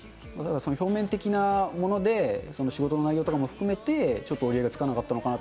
表面的なもので、仕事の内容とかも含めて、ちょっと折り合いがつかなかったのかな。